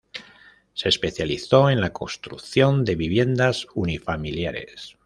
Se especializó en la construcción de viviendas unifamiliares.